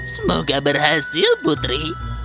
semoga berhasil putri